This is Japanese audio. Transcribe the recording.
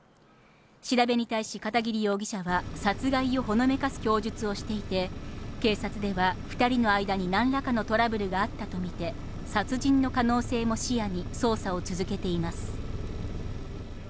調べに対し片桐容疑者は殺害をほのめかす供述をしていて、警察では２人の間に何らかのトラブルがあったとみて、殺人の可能性も視野に捜査を続けています。